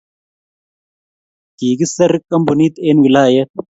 kikiser kampunit eng' wilayet